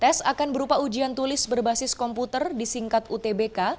tes akan berupa ujian tulis berbasis komputer disingkat utbk